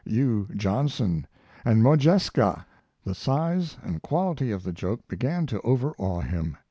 U. Johnson, and Modjeska, the size and quality of the joke began to overawe him.